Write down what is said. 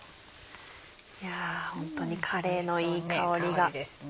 いやホントにカレーのいい香りが。